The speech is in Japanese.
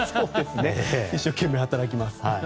一生懸命働きます。